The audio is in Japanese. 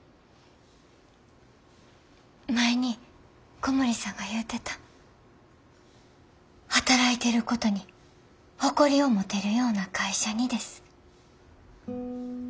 前に小森さんが言うてた働いてることに誇りを持てるような会社にです。